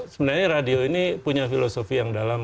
sebenarnya radio ini punya filosofi yang dalam